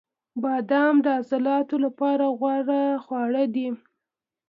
• بادام د عضلاتو لپاره غوره خواړه دي.